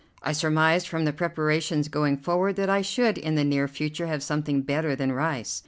I surmised from the preparations going forward that I should in the near future have something better than rice.